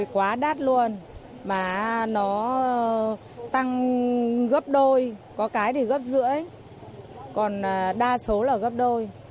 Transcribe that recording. quá đắt luôn mà nó tăng gấp đôi có cái thì gấp rưỡi còn đa số là gấp đôi